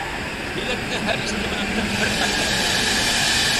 بېلەتنى ھەر ئىككى مىنۇتتا بىر تاشلىغىلى بولىدۇ!